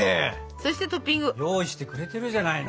そしてトッピング。用意してくれてるじゃないの。